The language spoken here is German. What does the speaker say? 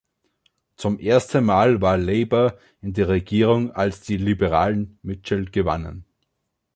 Zum ersten Mal war Labour in der Regierung, als die Liberalen Mitchell gewannen.